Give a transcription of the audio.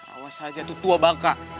awas aja tu tua bangka